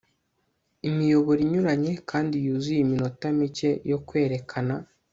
Imiyoboro inyuranye kandi yuzuye iminota mike yo kwerekana